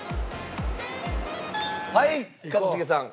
はい一茂さん。